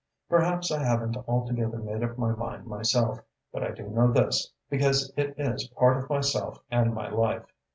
Perhaps I haven't altogether made up my mind myself, but I do know this, because it is part of myself and my life.